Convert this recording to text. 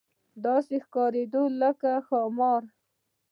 داسې ښکارېدله لکه د ښامار.